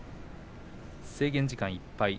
制限時間いっぱい。